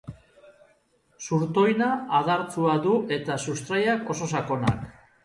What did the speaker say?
Zurtoina adartsua du eta sustraiak oso sakonak.